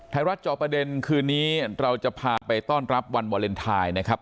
จอประเด็นคืนนี้เราจะพาไปต้อนรับวันวาเลนไทยนะครับ